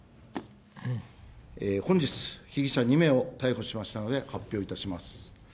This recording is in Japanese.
本日、被疑者２名を逮捕しましたので、発表いたします。